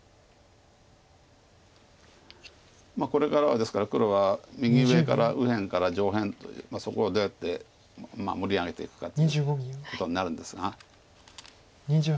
これからはですから黒は右上から右辺から上辺そこをどうやって盛り上げていくかっていうことになるんですが。